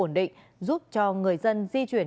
ổn định giúp cho người dân di chuyển